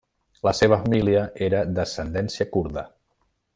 La seva família era d'ascendència kurda.